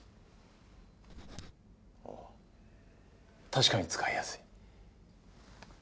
確かに使いやすい。